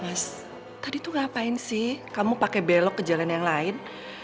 mas tadi tuh ngapain sih kamu pakai belok ke jalan yang lain